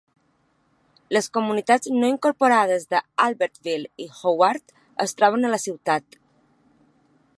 Les comunitats no incorporades de Albertville i Howard es troben a la ciutat.